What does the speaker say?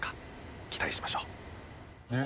期待しましょう。